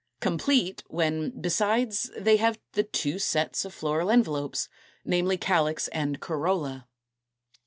Complete, when, besides, they have the two sets of floral envelopes, namely, calyx and corolla.